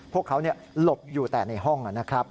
พวกเขาหลบอยู่แต่ในห้องนะครับ